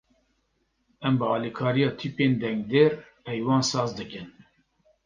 Em bi alîkariya tîpên dengdêr peyvan saz dikin.